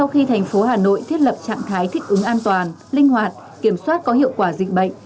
khi thành phố hà nội thiết lập trạng thái thích ứng an toàn linh hoạt kiểm soát có hiệu quả dịch bệnh